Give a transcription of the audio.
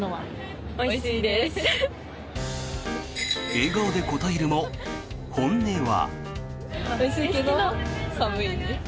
笑顔で答えるも、本音は。